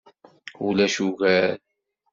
Ulac ugar.